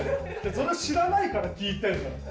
それを知らないから聞いてんの。